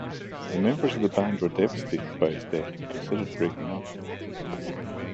The members of the band were devastated by his death, and considered breaking up.